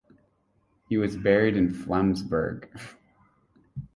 He was buried in Flensburg.